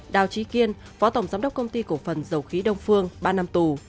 đào trí kiên phó tổng giám đốc công ty cổ phần dầu khí đông phương ba năm tù